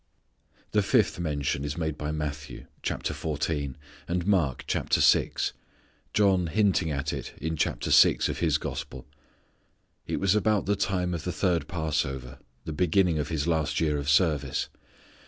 The fifth mention is made by Matthew, chapter fourteen, and Mark, chapter six, John hinting at it in chapter six of his gospel. It was about the time of the third passover, the beginning of His last year of service.